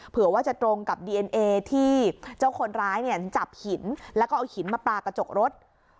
เผื่อว่าจะตรงกับดีเอ็นเอที่เจ้าคนร้ายเนี่ยจับหินแล้วก็เอาหินมาปลากระจกรถ